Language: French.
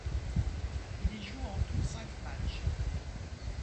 Il y joue en tout cinq matchs.